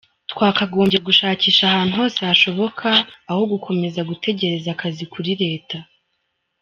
Twakagombye gushakisha ahantu hose hashoboka aho gukomeza gutegereza akazi kuri Leta.